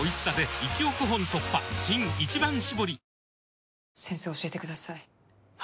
新「一番搾り」